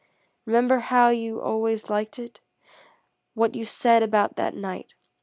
Remember how you always liked it? What you said about it that night?